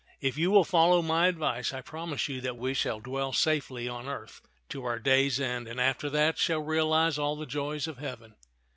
If you will follow my advice, I promise you that we shall dwell safely on earth to our days' end, and after that shall realize all the joys of heaven."